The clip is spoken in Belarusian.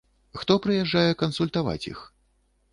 Хто прыязджае кансультаваць іх?